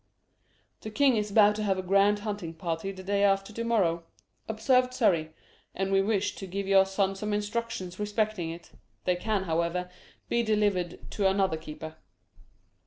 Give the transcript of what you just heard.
"The king is about to have a grand hunting party the day after to morrow," observed Surrey, "and we wished to give your son some instructions respecting it. They can, however, be delivered to another keeper."